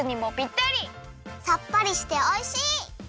さっぱりしておいしい！